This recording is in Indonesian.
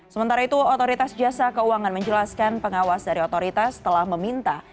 sementara itu otoritas jasa keuangan menjelaskan pengawas dari otoritas telah meminta